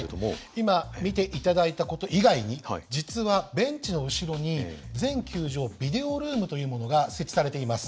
今見て頂いた事以外に実はベンチの後ろに全球場ビデオルームというものが設置されています。